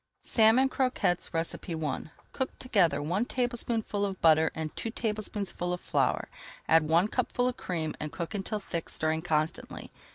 SALMON CROQUETTES I Cook together one tablespoonful of butter and two tablespoonfuls of flour, add one cupful of cream, and cook until thick, stirring constantly.